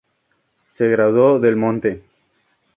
Se graduó del Monte.